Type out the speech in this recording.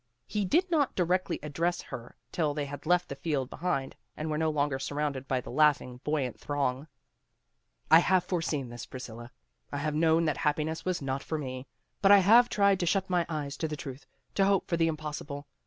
He did not directly address her till they had left the field behind, and were no longer surrounded by the laughing, buoyant throng. "I have forseen this, Priscilla. I have known that happiness was not for me. But I have tried to shut my eyes to the truth, to hope for the impossible.